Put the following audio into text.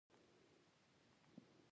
د افغانستان جغرافیه هم تاریخي ده.